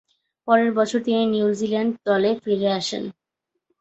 পরের বছর তিনি নিউজিল্যান্ড দলে ফিরে আসেন।